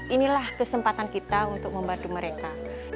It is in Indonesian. inilah kesempatan kita untuk membantu mereka